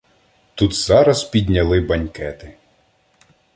Тут зараз підняли банькети